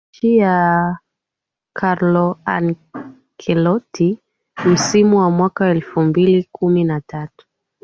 Chini ya Carlo Ancelotti msimu wa mwaka wa elfu mbili kumi na tatu